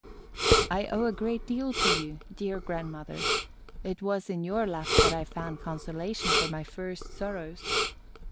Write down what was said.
I owe a great deal to you, dear grandmother; it was in your lap that I found consolation for my first sorrows.